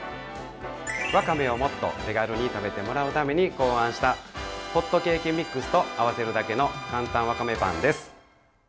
わかめをもっと手軽に食べてもらうために考案したホットケーキミックスと合わせるだけのかんたんわかめパンです。